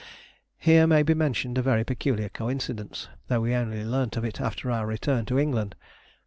Here may be mentioned a very peculiar coincidence, although we only learnt of it after our return to England.